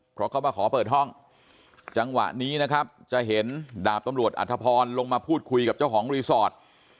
เพราะเขามาขอเปิดห้องจังหวะนี้นะครับจะเห็นดาบตำรวจอัธพรลงมาพูดคุยกับเจ้าของรีสอร์ท